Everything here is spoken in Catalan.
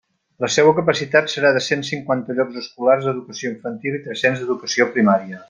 La seua capacitat serà de cent cinquanta llocs escolars d'Educació Infantil i tres-cents d'Educació Primària.